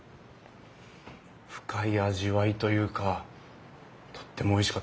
深い味わいというかとってもおいしかったです。